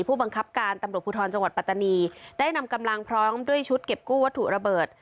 ผู้บังคับการตำรวจภูทรจังหวัดปัตตานีได้นำกำลังพร้อมด้วยชุดเก็บกู้วัตถุระเบิด